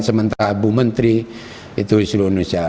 sementara bu menteri itu di seluruh indonesia